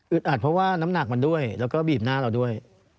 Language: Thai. อัดเพราะว่าน้ำหนักมันด้วยแล้วก็บีบหน้าเราด้วย